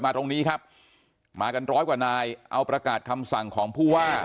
ตรงนี้ครับมากันร้อยกว่านายเอาประกาศคำสั่งของผู้ว่า